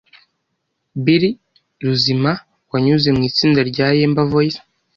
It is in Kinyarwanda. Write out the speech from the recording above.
Bill Ruzima wanyuze mu itsinda rya Yemba Voice,